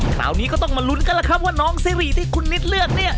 คราวนี้ก็ต้องมาลุ้นกันแล้วครับว่าน้องซิริที่คุณนิดเลือกเนี่ย